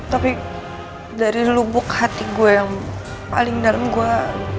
tapi dari lubuk hati gue yang paling dalam gue